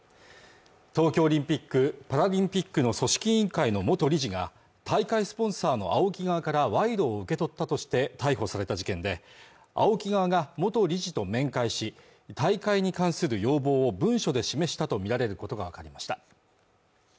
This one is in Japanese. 東京オリンピックパラリンピックの組織委員会の元理事が大会スポンサーのＡＯＫＩ側から賄賂を受け取ったとして逮捕された事件でＡＯＫＩ側が元理事と面会し大会に関する要望を文書で示したとみられることが分かりました